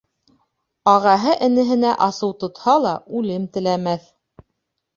Ағаһы энеһенә асыу тотһа ла, үлем теләмәҫ.